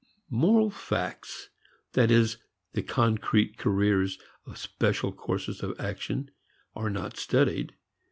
Moral facts, that is the concrete careers of special courses of action, are not studied.